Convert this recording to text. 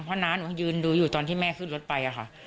เพราะจะอยู่ตอนที่แม่ขึ้นรถไป